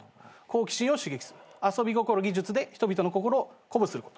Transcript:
好奇心を刺激する遊び心技術で人々の心を鼓舞すること。